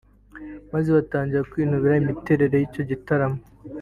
maze batangira kwinubira imitegurire y’icyo gitaramo